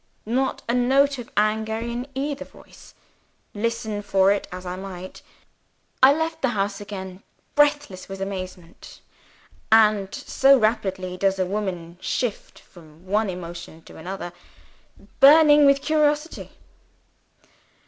Not a note of anger in either voice listen for it as I might! I left the house again, breathless with amazement, and (so rapidly does a woman shift from one emotion to another) burning with curiosity.